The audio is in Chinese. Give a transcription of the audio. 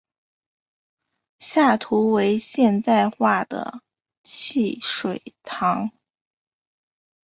下图为现代商品化的汽水糖。